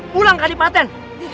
pulang ke adipaten